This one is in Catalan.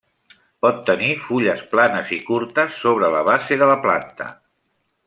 Pot tenir fulles planes i curtes sobre la base de la planta.